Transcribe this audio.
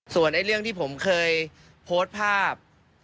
ส่วนเรื่องที่ผมเคยโพสต์ภาพ